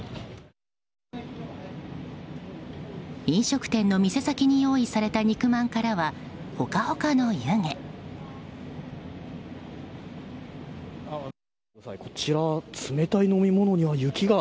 飲食店の店先に用意された肉まんからはホカホカの湯気。